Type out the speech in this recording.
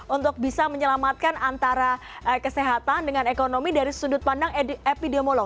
untuk bisa menyelamatkan antara kesehatan dengan ekonomi dari sudut pandang epidemiolog